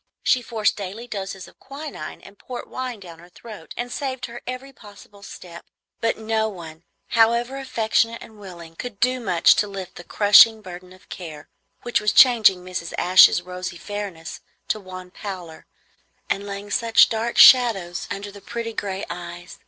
She forced daily doses of quinine and port wine down her throat, and saved her every possible step. But no one, however affectionate and willing, could do much to lift the crushing burden of care, which was changing Mrs. Ashe's rosy fairness to wan pallor and laying such dark shadows under the pretty gray eyes.